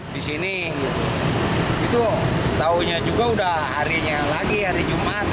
di sini itu taunya juga udah harinya lagi hari jumat